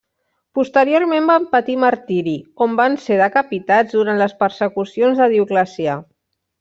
Posteriorment van patir martiri, on van ser decapitats durant les persecucions de Dioclecià.